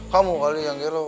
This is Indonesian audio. kamu kali yang gelo